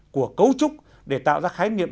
của cấu trúc để tạo ra khái niệm